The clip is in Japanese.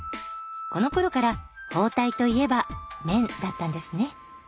このころから包帯といえば綿だったんですね。